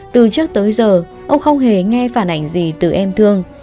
từ trước tới giờ ông không hề nghe phản ảnh gì từ em thương